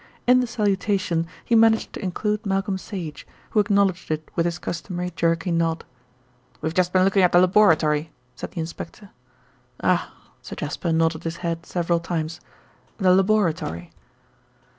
In the salutation he managed to include Malcolm Sage, who acknowledged it with his customary jerky nod. "We have just been looking at the laboratory," said the inspector. "Ah!" Sir Jasper nodded his head several times. "The laboratory!"